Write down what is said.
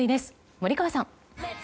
森川さん。